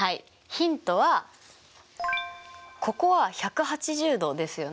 ヒントはここは１８０°ですよね。